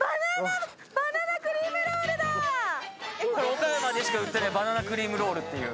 岡山でしか売ってない、バナナクリームロールっていう。